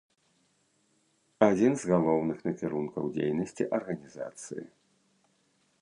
Адзін з галоўных накірункаў дзейнасці арганізацыі.